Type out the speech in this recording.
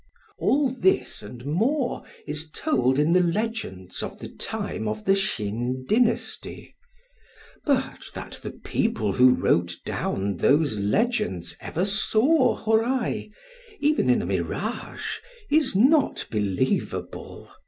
All this and more is told in the legends of the time of the Shin dynasty. But that the people who wrote down those legends ever saw Hōrai, even in a mirage, is not believable.